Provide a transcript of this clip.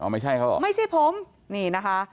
ไม่ใช่เขาเหรอไม่ใช่ผมนี่นะคะ